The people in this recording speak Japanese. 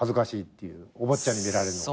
おぼっちゃんに見られるのが。